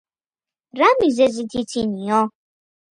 რა მიზეზით იცინიო?